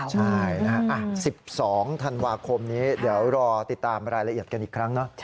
ใช่นะฮะ๑๒ธันวาคมนี้เดี๋ยวรอติดตามรายละเอียดกันอีกครั้งนะ